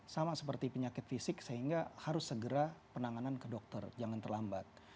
sama seperti penyakit fisik sehingga harus segera penanganan ke dokter jangan terlambat